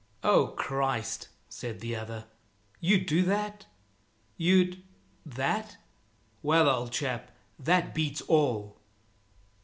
"Oh Christ!" said the other, "you'd do that? You'd that well, old chap, that beats all!"